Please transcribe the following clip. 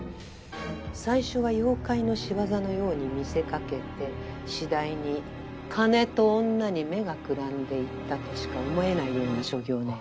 最初は妖怪の仕業のように見せかけて次第に金と女に目がくらんでいったとしか思えないような所業ね。